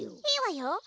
いいわよ。